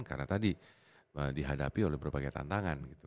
karena tadi dihadapi oleh berbagai tantangan gitu